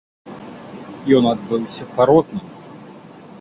Ён адбыўся па рознаму.